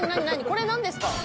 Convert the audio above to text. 「これなんですか？